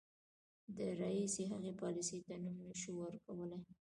د راهیسې هغې پالیسۍ ته نوم نه شو ورکولای.